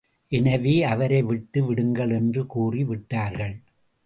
எனவே அவரை விட்டு விடுங்கள் என்று கூறி விட்டார்கள்.